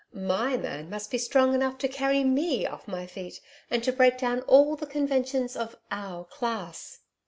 MY man must be strong enough to carry ME off my feet and to break down all the conventions of "OUR CLASS."